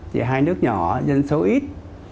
chỉ hai nước nhỏ dân số ít